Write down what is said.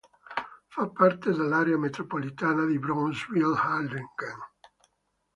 Fa parte dell'area metropolitana di Brownsville-Harlingen.